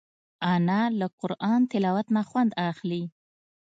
انا له قرآن تلاوت نه خوند اخلي